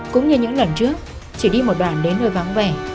cũng như những lần trước chỉ đi một đoàn đến nơi vắng vẻ